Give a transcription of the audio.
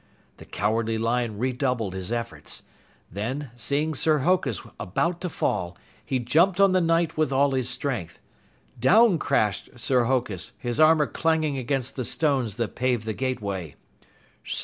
The Cowardly Lion redoubled his efforts. Then, seeing Sir Hokus about to fall, he jumped on the Knight with all his strength. Down crashed Sir Hokus, his armor clanging against the stones that paved the gateway.